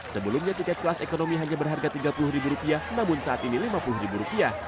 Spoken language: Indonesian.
sebelumnya tiket kelas ekonomi hanya berharga rp tiga puluh namun saat ini rp lima puluh